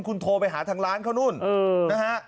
คุณโทรไปหาทางร้านเขานู่นนะฮะ